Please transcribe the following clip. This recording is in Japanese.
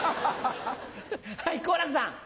はい好楽さん。